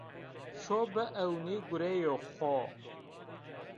Şo biewnî gureyê xo